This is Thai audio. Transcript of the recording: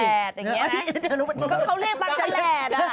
เดี๋ยวเขาเรียกตั๊กพลาด